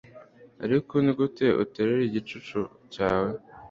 ariko nigute uterera igicucu cyawe